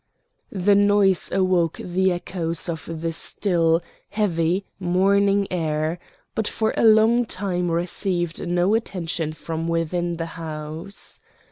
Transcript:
The noise awoke the echoes of the still, heavy, morning air, but for a long time received no attention from within the house.